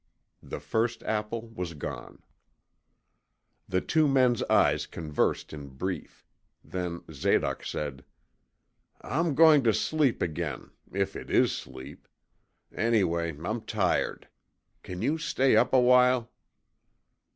The first apple was gone. The two men's eyes conversed in brief. Then Zadoc said, 'I'm going to sleep again, if it is sleep. Anyway, I'm tired. Can you stay up a while?'